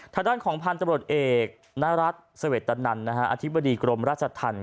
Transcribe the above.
ทางด้านของพันธุ์ตำรวจเอกนรัฐเสวตนันอธิบดีกรมราชธรรม